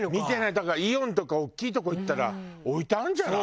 だからイオンとか大きいとこ行ったら置いてあるんじゃない？